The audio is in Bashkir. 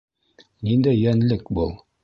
Ниндәй йәнлек был?